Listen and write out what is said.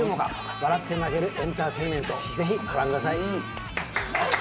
笑って泣けるエンターテインメントぜひご覧ください。